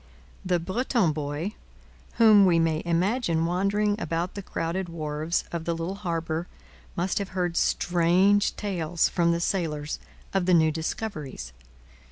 The Breton boy, whom we may imagine wandering about the crowded wharves of the little harbour, must have heard strange tales from the sailors of the new discoveries.